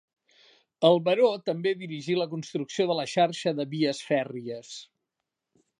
El baró també dirigí la construcció de la xarxa de vies fèrries.